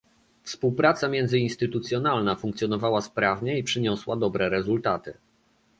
Współpraca międzyinstytucjonalna funkcjonowała sprawnie i przyniosła dobre rezultaty